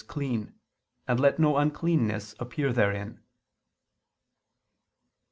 clean), and let no uncleanness appear therein."